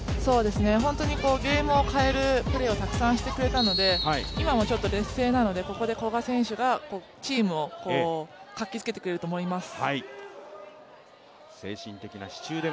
本当にゲームを変えるプレーをたくさんしてくれたので、今もちょっと劣勢なので、ここで古賀選手がチームを活気づけてくれると思います。